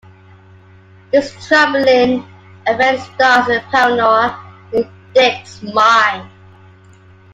This troubling event starts a paranoia in Dick's mind.